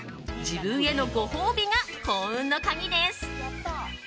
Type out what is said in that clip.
自分へのご褒美が幸運の鍵です。